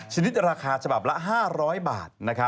ชนิดราคาฉบับละ๕๐๐บาท